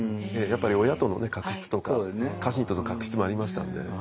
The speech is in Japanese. やっぱり親との確執とか家臣との確執もありましたので。